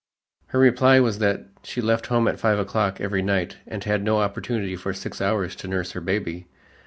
Her reply was that she left home at five o'clock every night and had no opportunity for six hours to nurse her baby.